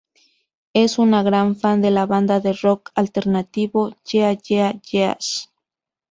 Es una gran fan de la banda de rock alternativo Yeah Yeah Yeahs.